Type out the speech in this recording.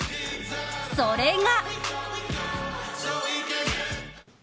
それが。